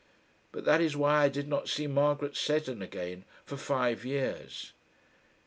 But that is why I did not see Margaret Seddon again for five years.